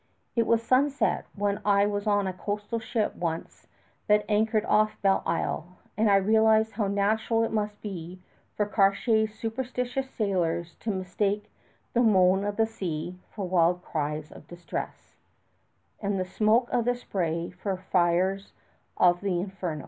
It was sunset when I was on a coastal ship once that anchored off Belle Isle, and I realized how natural it must have been for Cartier's superstitious sailors to mistake the moan of the sea for wild cries of distress, and the smoke of the spray for fires of the inferno.